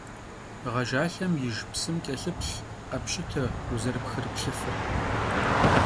Ğejjalhem yijj psım ç'elhıplh, khepşıte vuzerıpxrıplhıfır.